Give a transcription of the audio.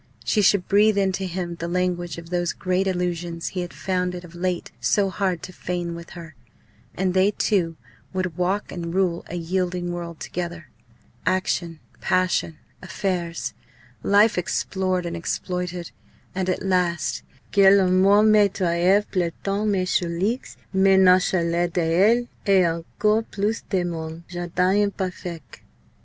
She should breathe into him the language of those great illusions he had found it of late so hard to feign with her; and they two would walk and rule a yielding world together. Action, passion, affairs life explored and exploited and at last "que la mort me treuve plantant mes choulx mais nonchalant d'elle! et encore plus de mon jardin imparfaict!"